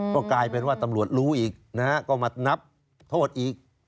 ก็กลายเป็นว่าตำรวจรู้อีกนะฮะก็มานับโทษอีก